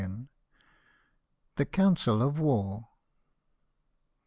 THE COUNCIL OP WAR.